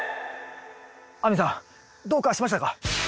亜美さんどうかしましたか？